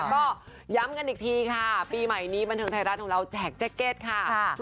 ก็ย้ำกันอีกทีค่ะปีใหม่นี้บันเทิงไทยรัฐของเราแจกแจ็กเก็ตค่ะ